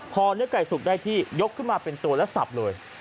พอเนื้อไก่สุกได้ที่ยกขึ้นมาเป็นตัวและสับเลย